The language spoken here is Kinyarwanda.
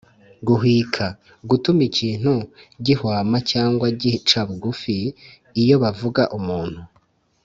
guhwika: gutuma ikintu gihwama cyangwa gica bugufi; iyo bavuga umuntu,